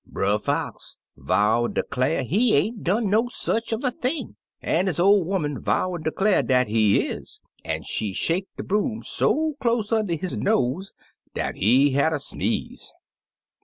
" Brer Fox vow an' declar' he ain't done no sech uv a thing, an' his ol' 'oman vow an' declar' dat he is, an' she shake de broom so close und' his nose dat de hatter sneeze.